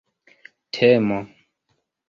temo